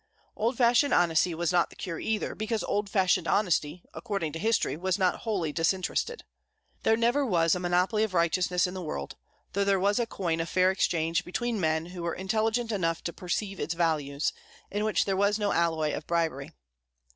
Old fashioned honesty was not the cure either, because old fashioned honesty, according to history, was not wholly disinterested. There never was a monopoly of righteousness in the world, though there was a coin of fair exchange between men who were intelligent enough to perceive its values, in which there was no alloy of bribery.